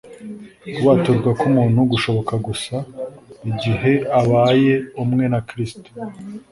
Kubaturwa k'umuntu gushoboka gusa: igihe abaye umwe na Kristo.